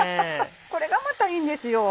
これがまたいいんですよ。